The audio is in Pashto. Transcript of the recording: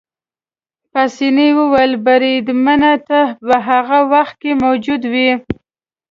پاسیني وویل: بریدمنه، ته په هغه وخت کې موجود وې؟